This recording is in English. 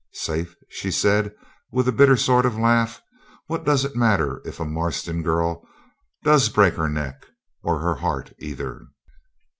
'Safe!' she said, with a bitter sort of laugh. 'What does it matter if a Marston girl does break her neck, or her heart either?'